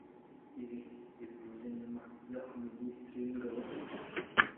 Ibi yabivuze nyuma y’aho Minisitiri w’Ingabo